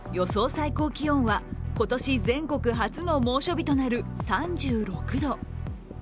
最高気温は今年、全国初の猛暑日となる３６度。